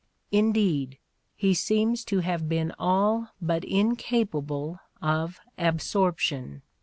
Indeed, he seems to have been all but incapable of absorption.